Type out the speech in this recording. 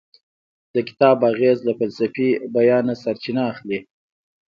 د کتاب اغیز له فلسفي بیانه سرچینه اخلي.